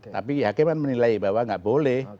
tapi hakim menilai bahwa gak boleh